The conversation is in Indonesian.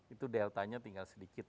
itu deltanya tinggal sedikit